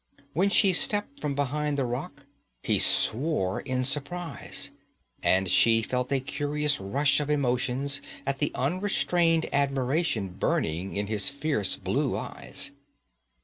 When she stepped from behind the rock he swore in surprize, and she felt a curious rush of emotions at the unrestrained admiration burning in his fierce blue eyes.